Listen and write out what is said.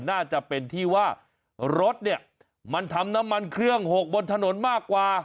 น่าจะเป็นที่ว่ารถเนี่ยมันทำน้ำมันเครื่องหกบนถนนมากกว่า